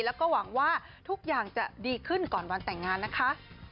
แล้วก็หวังว่าทุกอย่างจะดีขึ้นก่อนวันแต่งงานนะคะ